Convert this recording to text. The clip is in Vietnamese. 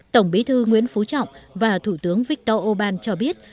tổng bí thư nguyễn phú trọng và thủ tướng viktor orbán cho biết